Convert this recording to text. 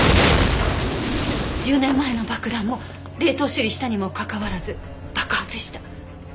１０年前の爆弾も冷凍処理したにもかかわらず爆発した。